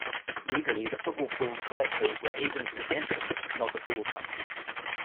Legally the football pools collectors were agents of the entrants, not the pools company.